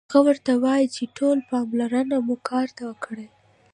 هغه ورته وايي چې ټوله پاملرنه مو کار ته کړئ